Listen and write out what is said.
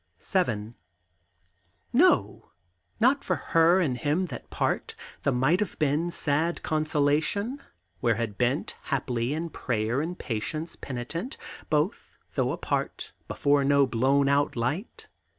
VII. No! not for her and him that part; the Might Have Been's sad consolation; where had bent, Haply, in prayer and patience penitent, Both, though apart, before no blown out light.